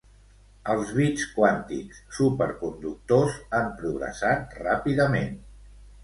Els bits quàntics superconductors han progressat ràpidament.